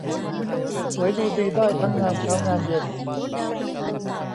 สวยดูดีได้ทั้งงานเช้างานเย็น